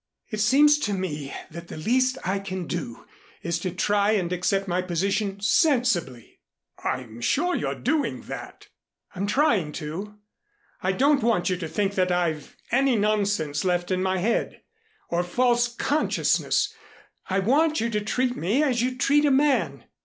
"It seems to me that the least I can do is to try and accept my position sensibly " "I'm sure you're doing that " "I'm trying to. I don't want you to think I've any nonsense left in my head or false consciousness. I want you to treat me as you'd treat a man.